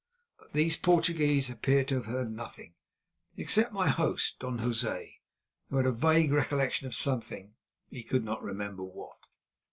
But these Portuguese appeared to have heard nothing, except my host, Don José, who had a vague recollection of something—he could not remember what.